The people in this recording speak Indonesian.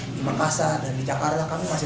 di makassar dan di jakarta kami masih